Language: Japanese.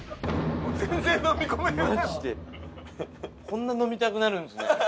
こんな飲みたくなるんですね。